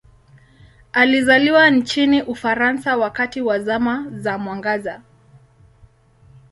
Alizaliwa nchini Ufaransa wakati wa Zama za Mwangaza.